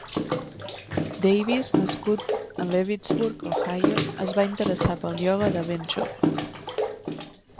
Davis, nascut a Leavittsburg, Ohio, es va interessar pel ioga de ben jove.